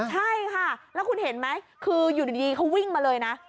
ใช่ค่ะแล้วคุณเห็นไหมคืออยู่ดีเขาวิ่งมาเลยนะ